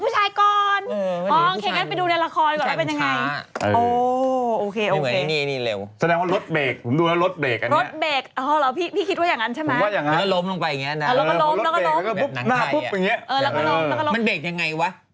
จริงหรอผู้หญิงจูบผู้ชายทั้งนั้น